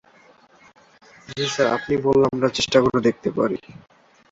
ঘরোয়া প্রথম-শ্রেণীর ক্রিকেটে কেন্টের প্রতিনিধিত্ব করেছেন।